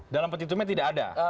dalam petitumen tidak ada